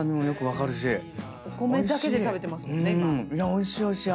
おいしいおいしい！